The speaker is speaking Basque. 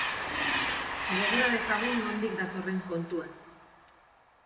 Gogora dezagun nondik datorren kontua.